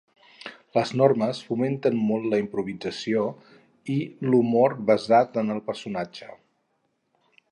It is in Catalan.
Les normes fomenten molt la improvisació i l'humor basat en el personatge.